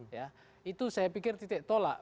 ya itu saya pikir titik tolak